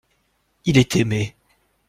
Il est aimé.